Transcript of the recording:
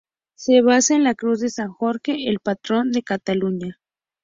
Se basa en la cruz de San Jorge, el patrón de Cataluña.